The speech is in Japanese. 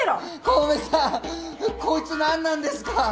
小梅さんこいつ何なんですか？